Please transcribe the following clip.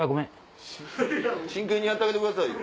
真剣にやってあげてくださいよ。